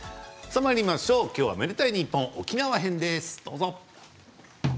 今日は「愛でたいｎｉｐｐｏｎ」沖縄編です。